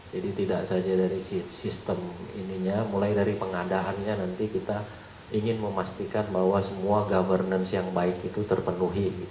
jadi tidak saja dari sistem ininya mulai dari pengadahannya nanti kita ingin memastikan bahwa semua governance yang baik itu terpenuhi